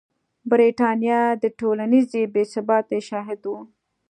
برېټانیا د ټولنیزې بې ثباتۍ شاهده وه.